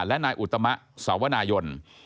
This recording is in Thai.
และนายอุตมะสวนายน